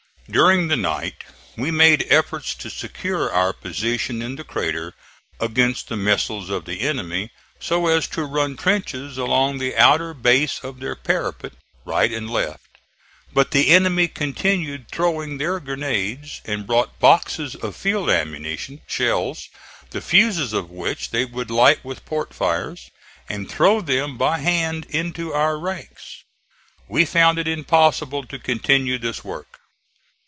During the night we made efforts to secure our position in the crater against the missiles of the enemy, so as to run trenches along the outer base of their parapet, right and left; but the enemy continued throwing their grenades, and brought boxes of field ammunition (shells), the fuses of which they would light with portfires, and throw them by hand into our ranks. We found it impossible to continue this work.